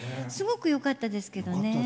すごくよかったですけどね。